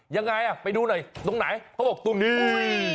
ยังไงอ่ะไปดูหน่อยตรงไหนเขาบอกตรงนี้